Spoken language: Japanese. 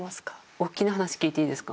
おっきな話聞いていいですか？